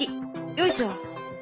よいしょ。